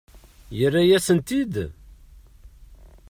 Yerra-yasen-tt-id?